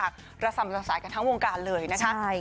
ระส่ำระสายกันทั้งวงการเลยนะคะ